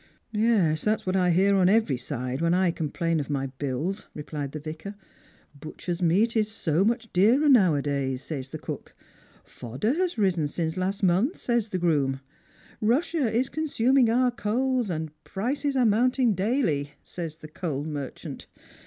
" Yes, that's what I hear on every side, when I complain of my bills," replied the Yicar. " Butcher's meat is so much dearer nowadays, says the cook; fodder has risen since last month, says the groom ; Russia is consuming our coals, and prices are mounting daily, says the coal merchant.